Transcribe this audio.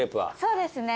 そうですね。